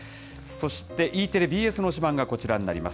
そしてＥテレ、ＢＳの推しバン！がこちらになります。